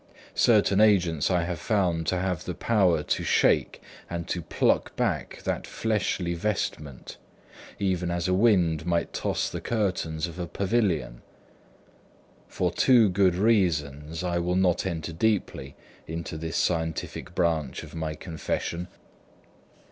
Certain agents I found to have the power to shake and pluck back that fleshly vestment, even as a wind might toss the curtains of a pavilion. For two good reasons, I will not enter deeply into this scientific branch of my confession.